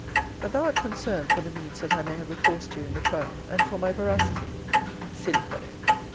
But thou art concerned for the means that I may have recourse to in the trial, and for my veracity. Silly fellow!